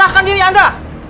selahkan diri anda